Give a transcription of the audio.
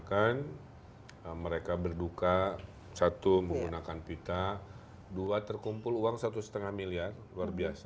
mereka berduka satu menggunakan pita dua terkumpul uang satu lima miliar luar biasa